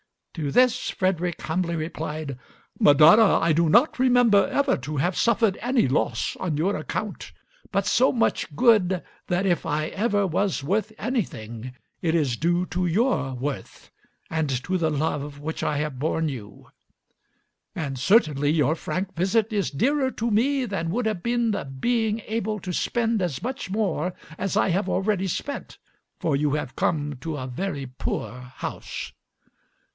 To this Frederick humbly replied, "Madonna, I do not remember ever to have suffered any loss on your account, but so much good that if I ever was worth anything, it is due to your worth, and to the love which I have borne you; and certainly your frank visit is dearer to me than would have been the being able to spend as much more as I have already spent, for you have come to a very poor house."